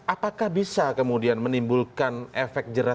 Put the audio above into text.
apakah bisa kemudian menimbulkan efek jerah